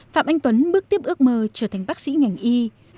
phạm anh tuấn bước tiếp ước mơ trở thành bác sĩ ngành y